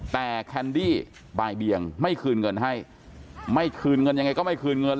แต่แคนดี้บ่ายเบียงไม่คืนเงินให้ไม่คืนเงินยังไงก็ไม่คืนเงิน